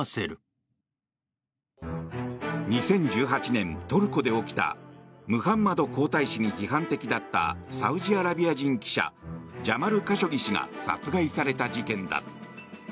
２０１８年、トルコで起きたムハンマド皇太子に批判的だったサウジアラビア人記者ジャマル・カショギ氏が殺害された事件だ。